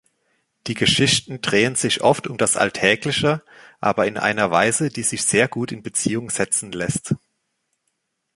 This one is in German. Die Geschichten drehen sich oft um das Alltägliche, aber in einer Weise, die sich sehr gut in Beziehung setzen lässt.